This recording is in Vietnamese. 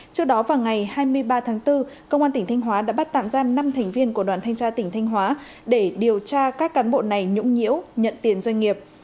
trước đó vào ngày hai mươi ba tháng bốn công an tỉnh thanh hóa đã bắt tạm giam năm thành viên của đoàn thanh tra tỉnh thanh hóa để điều tra các cán bộ này nhũng nhiễu nhận tiền doanh nghiệp